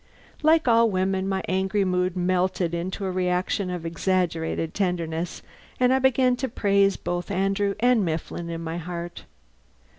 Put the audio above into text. Like all women, my angry mood melted into a reaction of exaggerated tenderness and I began to praise both Andrew and Mifflin in my heart.